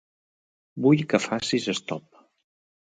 Vull que facis stop.